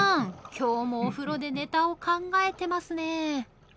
今日もお風呂でネタを考えてますね。